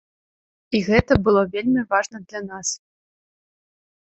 І гэта было вельмі важна для нас.